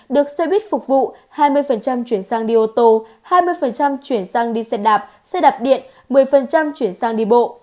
được xe buýt phục vụ hai mươi chuyển sang đi ô tô hai mươi chuyển sang đi xe đạp xe đạp điện một mươi chuyển sang đi bộ